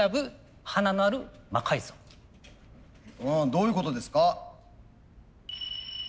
どういうことですか？